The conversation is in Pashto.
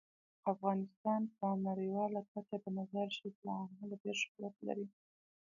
افغانستان په نړیواله کچه د مزارشریف له امله ډیر شهرت لري.